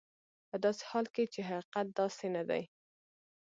په داسې حال کې چې حقیقت داسې نه دی.